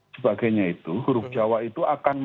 sebagainya itu huruf jawa itu akan